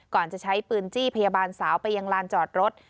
ก่อนจะใช้ปืนจี้พยาบาลสาวไปยังลานจอดรถ